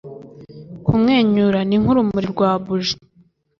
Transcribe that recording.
kumwenyura ni nk'urumuri rwa buji